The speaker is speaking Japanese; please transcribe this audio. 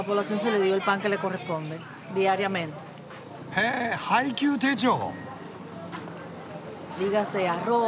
へぇ配給手帳。